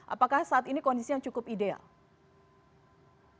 apakah saat ini kondisi yang cukup ideal